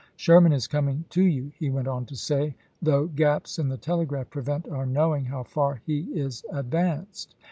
.. Sherman is coming to you," he went on to say, " though gaps in the tele graph prevent our knowing how far he is ad vanced.